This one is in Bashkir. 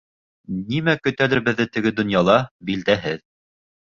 Нимә көтәлер беҙҙе теге донъяла — билдәһеҙ.